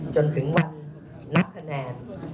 จนถึงวันนับคะแนน